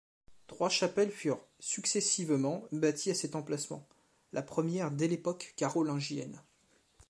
Trois chapelles furent successivement bâties à cet emplacement, la première dès l'époque carolingienne.